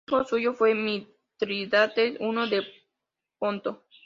Hijo suyo fue Mitrídates I del Ponto.